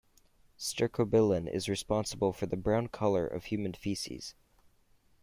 Stercobilin is responsible for the brown color of human feces.